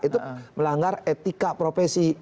itu melanggar etika profesi